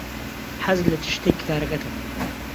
حەزت لە چ شتێکی کارەکەتە؟